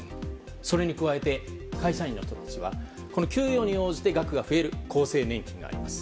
それに加えて、会社員の人たちは給与に応じて額が増える厚生年金です。